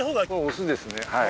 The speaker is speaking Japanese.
オスですねはい。